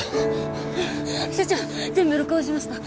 全部録音しました！